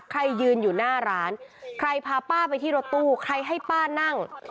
ยืนอยู่หน้าร้านใครพาป้าไปที่รถตู้ใครให้ป้านั่ง